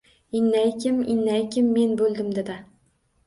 Innaykin… innaykin… men bo’ldim dada.